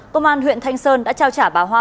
công an huyện thanh sơn đã trao trả bà hoa